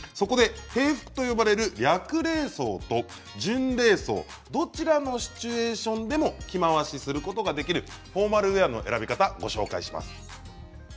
平服と呼ばれる略礼装と準礼装どちらのシチュエーションでも着回しすることができるフォーマルウェアの選び方ご紹介します。